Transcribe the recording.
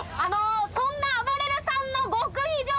そんなあばれるさんの。